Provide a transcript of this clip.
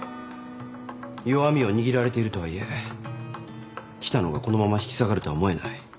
弱みを握られているとはいえ喜多野がこのまま引き下がるとは思えない。